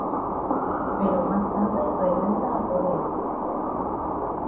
Pero más tarde regresa a Corea.